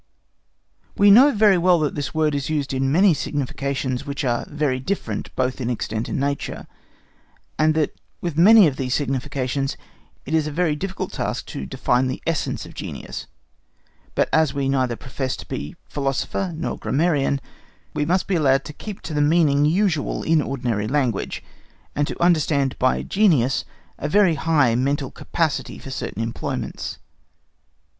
We know very well that this word is used in many significations which are very different both in extent and nature, and that with many of these significations it is a very difficult task to define the essence of Genius; but as we neither profess to be philosopher nor grammarian, we must be allowed to keep to the meaning usual in ordinary language, and to understand by "genius" a very high mental capacity for certain employments.